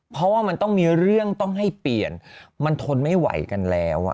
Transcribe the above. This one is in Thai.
เพราะว่ามันต้องมีเรื่องต้องให้เปลี่ยนมันทนไม่ไหวกันแล้ว